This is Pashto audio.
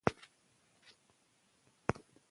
نه، بدن هر وخت بد بوی نه کوي.